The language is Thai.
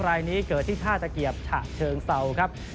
รายนี้เกิดที่ท่าตะเกียบฉะเชิงเศร้าครับ